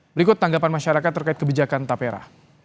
berikut tanggapan masyarakat terkait kebijakan tapera